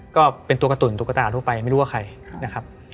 ก็เป็นตัวกระตุ๋นตุ๊กตาทั่วไปไม่รู้ว่าใครนะครับ